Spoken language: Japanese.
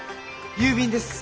郵便です。